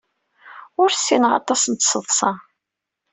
Ur ssineɣ aṭas n tseḍsa.